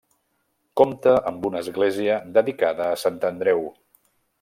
Compta amb una església dedicada a Sant Andreu.